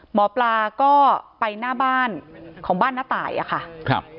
หมอปลาก็ไปหน้าบ้านของบ้านน้าตายอะค่ะครับ